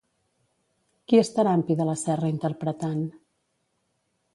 Qui estarà amb Pi de la Serra interpretant?